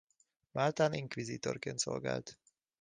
Máltán inkvizítorként szolgált.